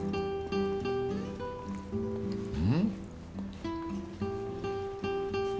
うん？